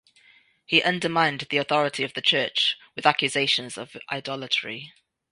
He undermined the authority of the church with accusations of idolatry.